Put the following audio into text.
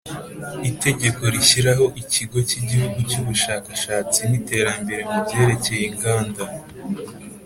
Itegeko rishyiraho Ikigo cy Igihugu cy Ubushakashatsi n Iterambere mu byerekeye inganda